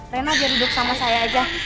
rena biar hidup sama saya aja